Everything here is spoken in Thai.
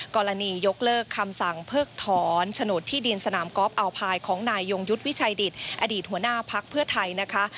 กรณียกเลิกคำสั่งเพิกถอนโฉนดที่ดินสนามกอล์ฟอัลพายของนายยงยุทธ์วิชัยดิตอดีตหัวหน้าพักเพื่อไทยนะคะ